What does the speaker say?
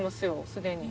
すでに。